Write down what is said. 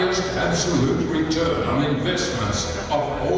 di pengembangan semua perusahaan utama di asia tenggara